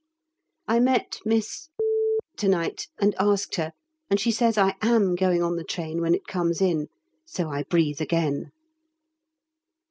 I met Miss to night and asked her, and she says I am going on the train when it comes in, so I breathe again.